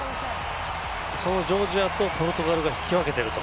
そのジョージアとポルトガルが引き分けていると。